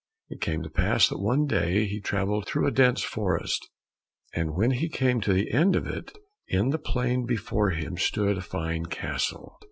It came to pass, that one day he travelled through a dense forest, and when he came to the end of it, in the plain before him stood a fine castle.